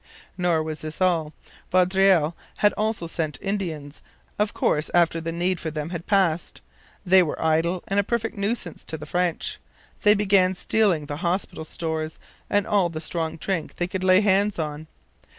Nor was this all. Vaudreuil had also sent Indians, of course after the need for them had passed. They were idle and a perfect nuisance to the French. They began stealing the hospital stores and all the strong drink they could lay hands on.